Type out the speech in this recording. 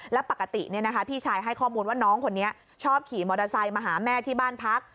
แล้วปกติพี่ชายให้ข้อมูลว่าน้องคนนี้ชอบขี่มอเตอร์ไซค์มาหาแม่ที่บ้านพัก